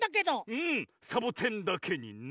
うんサボテンだけにね。